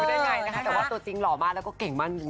รู้ได้ง่ายนะคะแต่ว่าตัวจริงหล่อมากแล้วก็เก่งมาก